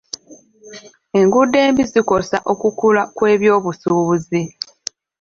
Enguudo embi zikosa okukula kw'ebyobusuubuzi.